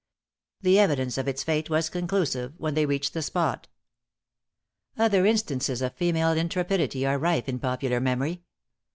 The evidence of its fate was conclusive, when they reached the spot. Other instances of female intrepidity are rife in popular memory.